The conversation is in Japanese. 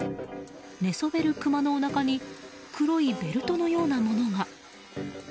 寝そべるクマのおなかに黒いベルトのようなものが。